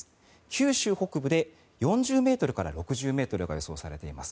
九州北部で４０ｍから６０ｍが予想されています。